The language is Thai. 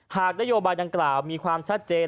หากนโยบายดังกล่าวมีความชัดเจน